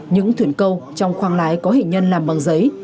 những thuyền câu trong khoang lái có hệ nhân làm bằng giấy